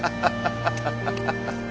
ハハハハ。